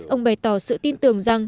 ông bày tỏ sự tin tưởng rằng